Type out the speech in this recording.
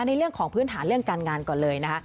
ในเรื่องของพื้นฐานเรื่องการงานก่อนเลยนะคะ